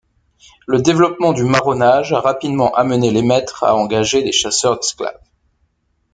Le développement du marronnage a rapidement amené les maîtres à engager des chasseurs d'esclaves.